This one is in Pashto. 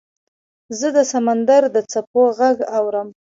زه د سمندر د څپو غږ اورم .